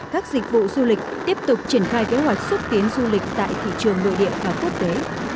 các dịch vụ du lịch tiếp tục triển khai kế hoạch xúc tiến du lịch tại thị trường nội địa và quốc tế